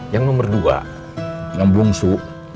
yang nomor dua yang belum su